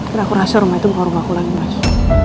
terakhir rasa rumah itu kok ga kulangin lagi